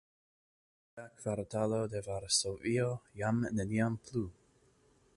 La juda kvartalo de Varsovio jam neniam plu!